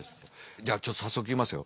じゃあちょっと早速いきますよ。